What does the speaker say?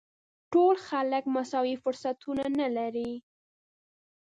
ټول خلک مساوي فرصتونه نه لري.